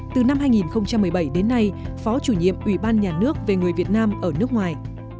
từ năm hai nghìn một mươi bảy đến nay phó chủ nhiệm ủy ban nhà nước về người việt nam ở nước ngoài